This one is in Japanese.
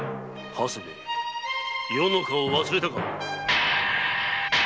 長谷部余の顔を忘れたか！